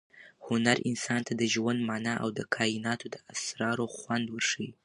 هنر انسان ته د ژوند مانا او د کائناتو د اسرارو خوند ورښيي.